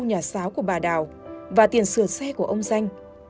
nhà xáo của bà đào và tiền sửa xe của ông xanh